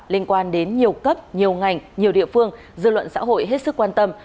liên quan đến nhiều cấp nhiều ngành nhiều địa phương dư luận xã hội hết sức quan tâm